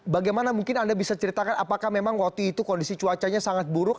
bagaimana mungkin anda bisa ceritakan apakah memang waktu itu kondisi cuacanya sangat buruk